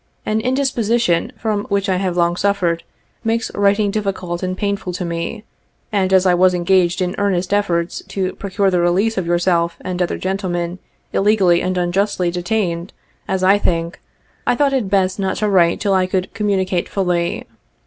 An indisposition from which I have long suffered, makes writing difficult and painful to me, and, as I was engaged in earnest efforts to procure the release of yourself and other gentlemen illegally and unjustly detained, as I think, I thought it best not to write till I could communicate fully.